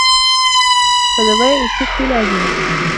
فَدَوَاعِي الصِّدْقِ لَازِمَةٌ